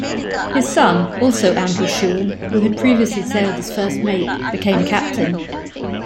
His son, also Andrew Shewan, who had previously sailed as first mate, became captain.